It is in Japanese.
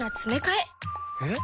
えっ？